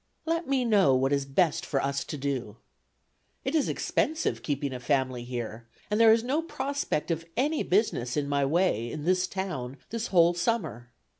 "Let me know what is best for us to do. It is expensive keeping a family here, and there is no prospect of any business in my way in this town this whole summer.